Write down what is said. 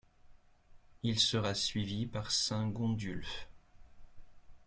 Il sera suivi par saint Gondulphe.